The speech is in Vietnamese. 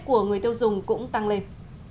của người tiêu dùng cũng tăng lên